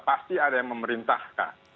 pasti ada yang memerintahkan